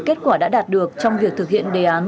kết quả đã đạt được trong việc thực hiện đề án